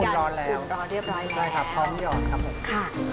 อุ่นร้อนแล้วใช่ค่ะพร้อมยอดครับผมค่ะรู้ไหม